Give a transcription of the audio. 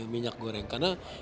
minyak goreng karena